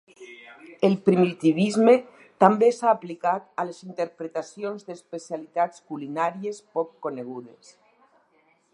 El primitivisme també s'ha aplicat a les interpretacions d'especialitats culinàries poc conegudes.